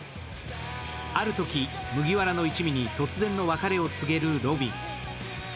あるとき麦わら一味に突然の別れを告げる。